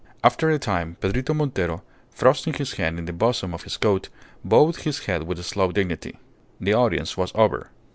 After a time Pedrito Montero, thrusting his hand in the bosom of his coat, bowed his head with slow dignity. The audience was over.